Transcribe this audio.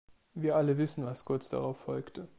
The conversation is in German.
Wir alle wissen, was kurz darauf folgte.